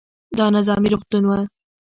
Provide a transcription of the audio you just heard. دا نظامي روغتون و.